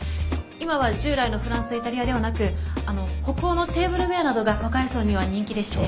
今は従来のフランスイタリアではなくあの北欧のテーブルウェアなどが若い層には人気でして。